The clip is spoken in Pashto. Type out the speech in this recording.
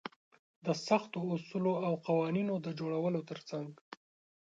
د سختو اصولو او قوانينونو د جوړولو تر څنګ.